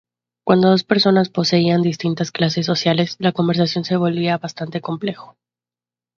Cuando dos personas poseían distintas clases sociales, la conversación se volvía bastante complejo.